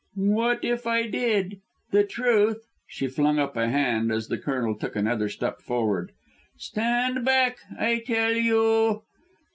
"What if I did? The truth " she flung up a hand as the Colonel took another step forward. "Stand back, I tell you."